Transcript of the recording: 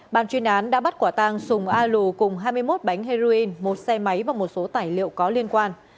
bàn chuyên án đã bắt quả tang sùng a lù cùng hai mươi một bánh heroin một xe máy và một số tài liệu có liên quan